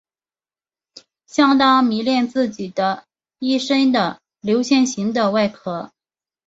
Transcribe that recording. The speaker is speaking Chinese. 相当迷恋自己的一身的流线型的外壳。